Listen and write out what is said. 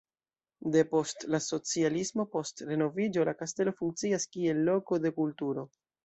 Depost la socialismo post renoviĝo la kastelo funkcias kiel loko de kulturo.